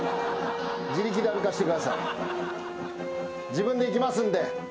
自分で行きますんで。